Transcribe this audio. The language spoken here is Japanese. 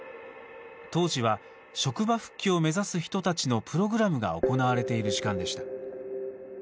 当時は職場復帰を目指す人たちのプログラムが行われている時間でした。